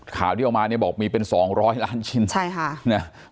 ข่าวที่ออกมาเนี่ยบอกมีเป็นสองร้อยล้านชิ้นใช่ค่ะนะ